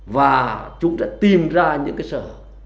và chúng đã tìm ra những sở